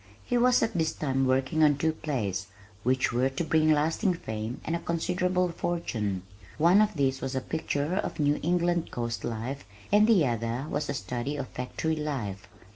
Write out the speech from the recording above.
He was at this time working on two plays which were to bring lasting fame and a considerable fortune. One of these was a picture of New England coast life and the other was a study of factory life.